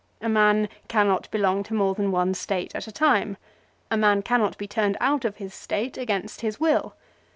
A man cannot belong to more than one State at a time. A man cannot be turned out of his State against his will.